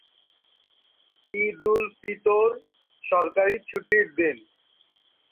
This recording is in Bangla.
ঈদুল ফিতর সরকারী ছুটির দিন।